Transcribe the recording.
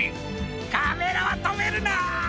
カメラはとめるな！